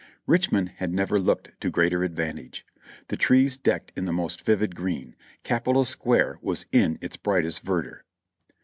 Richmond had never looked to greater advantage; the trees decked in the most vivid green, Capitol Square was in its brightest verdure.